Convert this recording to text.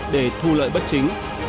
để thu lợi bất chính